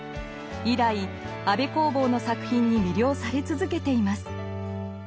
以来安部公房の作品に魅了され続けています。